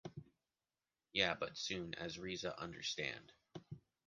Yeah but as soon as Reza understand,